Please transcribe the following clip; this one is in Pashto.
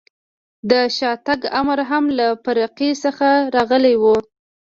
د شاتګ امر هم له فرقې څخه راغلی و.